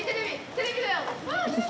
テレビだよ！